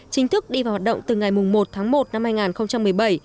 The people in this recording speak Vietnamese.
chính thức đi vào hoạt động từ ngày một tháng một năm hai nghìn một mươi bảy